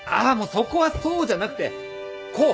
そこはそうじゃなくてこう！